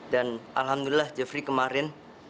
dan alhamdulillah jeffrey kemarin